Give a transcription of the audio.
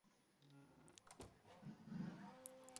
আমাদের জীবন নিয়ে ভেবো না।